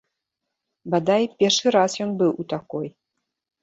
Бадай, першы раз ён быў у такой.